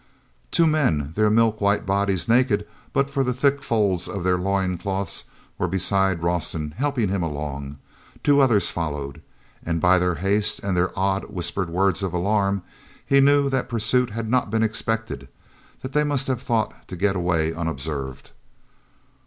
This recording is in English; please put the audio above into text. Two men, their milk white bodies naked but for the thick folds of their loin cloths, were beside Rawson, helping him along. Two others followed. And, by their haste and their odd whispered words of alarm, he knew that pursuit had not been expected; they must have thought to get away unobserved.